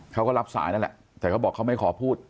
ค้าก็รับสายนั่นแหละมันบอกเขาไม่ขอพูด